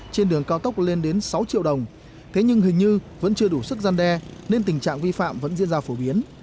trên đường cao tốc lên đến sáu triệu đồng thế nhưng hình như vẫn chưa đủ sức gian đe nên tình trạng vi phạm vẫn diễn ra phổ biến